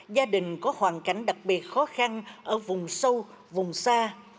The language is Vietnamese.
gia đình có hoàn cảnh đặc biệt khó khăn ở vùng sâu vùng xa